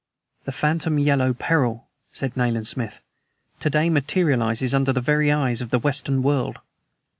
"The phantom Yellow Peril," said Nayland Smith, "to day materializes under the very eyes of the Western world."